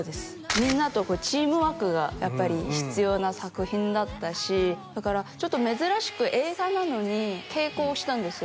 みんなとチームワークがやっぱり必要な作品だったしだからちょっと珍しく映画なのに稽古をしたんですよ